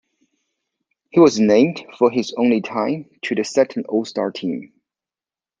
He was named, for his only time, to the Second All-Star team.